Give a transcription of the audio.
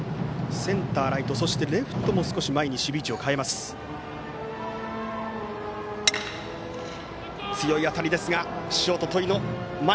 センター、ライト、レフトも前に守備位置を変えます。